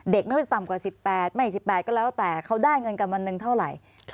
ไม่ว่าจะต่ำกว่า๑๘ไม่๑๘ก็แล้วแต่เขาได้เงินกันวันหนึ่งเท่าไหร่